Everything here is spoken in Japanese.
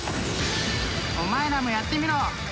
［お前らもやってみろ！］